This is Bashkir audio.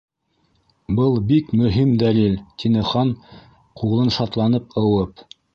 — Был бик мөһим дәлил, — тине Хан ҡулын шатланып ыуып.